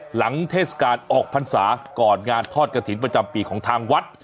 เทศกาลออกพรรษาก่อนงานทอดกระถิ่นประจำปีของทางวัด